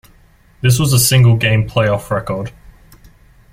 This was a single game playoff record.